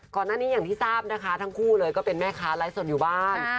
ก่อนหน้านี้อย่างที่ทราบนะคะทั้งคู่เลยก็เป็นแม่ค้าไร้ส่วนอยู่บ้าน